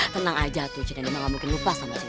tenang aja tuh jadi emang gak mungkin lupa sama saya